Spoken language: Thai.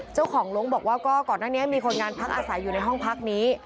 เจ้าของลงบอกว่าก็ก่อนหน้านี้มีคนงานพักอาศัยอยู่ในห้องพักนี้